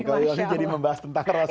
kalau ulul amri jadi membahas tentang rasul